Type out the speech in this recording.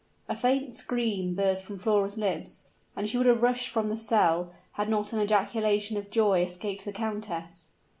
A faint scream burst from Flora's lips, and she would have rushed from the cell, had not an ejaculation of joy escaped the countess.